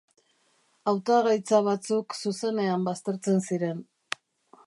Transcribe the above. Hautagaitza batzuk zuzenean baztertzen ziren.